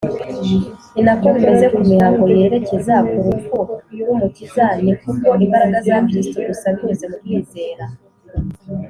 . Ni nako bimeze ku mihango yerekeza ku rupfu rw’Umukiza. Ni kubwo imbaraga za Kristo gusa, binyuze mu kwizera,